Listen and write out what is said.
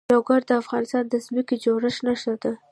لوگر د افغانستان د ځمکې د جوړښت نښه ده.